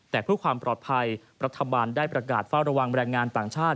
แต่ผู้ความปลอดภัยปรัฐบาลได้ประกาศฝ่าวระวังแบรนด์งานปางชาติ